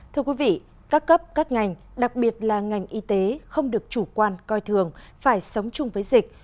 thưa quý vị các cấp các ngành đặc biệt là ngành y tế không được chủ quan coi thường phải sống chung với dịch